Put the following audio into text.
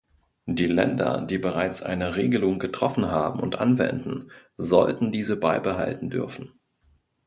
Die Länder, die bereits eine Regelung getroffen haben und anwenden, sollten diese beibehalten dürfen.